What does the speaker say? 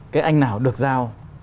cái anh nào được giao